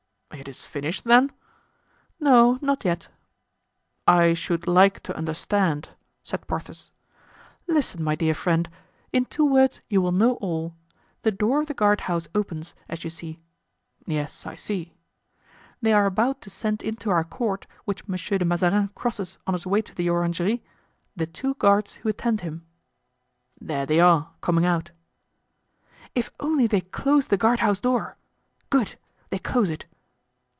"It is finished, then?" "No, not yet." "I should like to understand," said Porthos. "Listen, my dear friend; in two words you will know all. The door of the guardhouse opens, as you see." "Yes, I see." "They are about to send into our court, which Monsieur de Mazarin crosses on his way to the orangery, the two guards who attend him." "There they are, coming out." "If only they close the guardhouse door! Good! They close it."